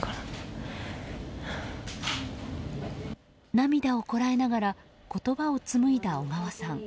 涙をこらえながら言葉を紡いだ小川さん。